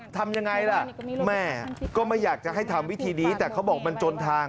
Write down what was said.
ทำยังไงล่ะแม่ก็ไม่อยากจะให้ทำวิธีนี้แต่เขาบอกมันจนทาง